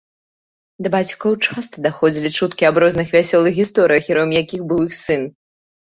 Да бацькоў часта даходзілі чуткі аб розных вясёлых гісторыях, героем якіх быў іх сын.